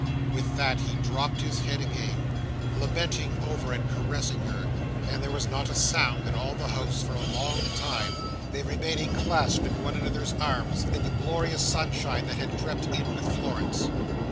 With that he dropped his head again, lamenting over and caressing her, and there was not a sound in all the house for a long, long time; they remaining clasped in one another's arms, in the glorious sunshine that had crept in with Florence.